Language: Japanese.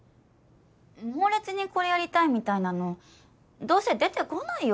猛烈にこれやりたいみたいなのどうせ出てこないよ